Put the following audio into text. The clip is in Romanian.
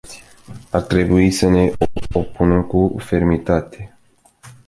Ar trebui să ne opunem cu fermitate.